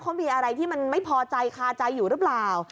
เขามีอะไรที่มันไม่พอใจคาใจอยู่หรือเปล่า